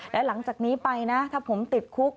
และหลังจากนี้ไปนะถ้าผมติดคุก